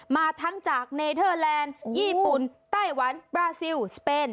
มาทั้งจากเนเทอร์แลนด์ญี่ปุ่นไต้หวันบราซิลสเปน